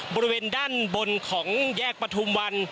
บริเวณด้านบนของแยกประทุมวัน